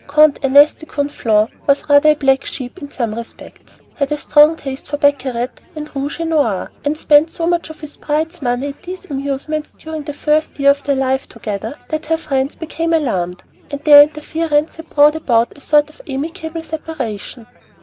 Count Ernest de Conflans was rather a black sheep in some respects, had a strong taste for baccarat and rouge et noir, and spent so much of his bride's money at these amusements during the first year of their life together, that her friends became alarmed, and their interference had brought about a sort of amicable separation.